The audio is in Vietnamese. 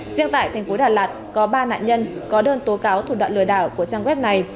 riêng tại thành phố đà lạt có ba nạn nhân có đơn tố cáo thủ đoạn lừa đảo của trang web này